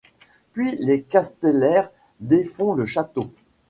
Puis les castellers défont le château.